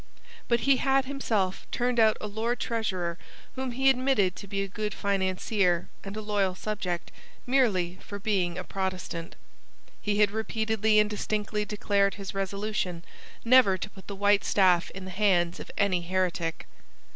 But he had himself turned out a Lord Treasurer whom he admitted to be a good financier and a loyal subject merely for being a Protestant. He had repeatedly and distinctly declared his resolution never to put the white staff in the hands of any heretic.